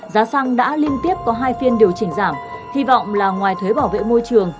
giá xăng đã liên tiếp có hai phiên điều chỉnh giảm hy vọng là ngoài thuế bảo vệ môi trường